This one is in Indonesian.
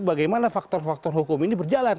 bagaimana faktor faktor hukum ini berjalan